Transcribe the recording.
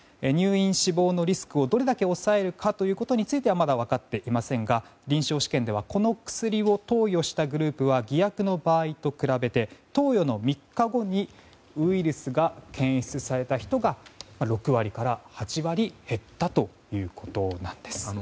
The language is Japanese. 入院・死亡のリスクをどれだけ抑えるかということについてはまだ分かっていませんが臨床試験ではこの薬を投与したグループは偽薬の場合と比べて投与の３日後にウイルスが検出された人が６割から８割減ったということなんです。